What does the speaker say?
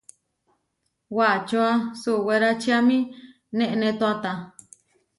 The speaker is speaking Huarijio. Wačóa suwéračiami neʼnétoata.